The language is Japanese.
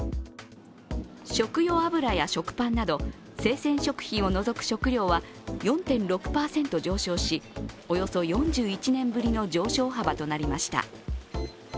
食用油や食パンなど生鮮食品を除く食料は４．６％上昇しおよそ４１年ぶりの上昇幅となりました。